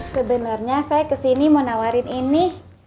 sebenarnya saya kesini mau nawarin ini